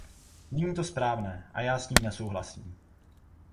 Není to správné a já s tím nesouhlasím.